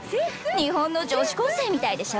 日本の女子高生みたいでしょ。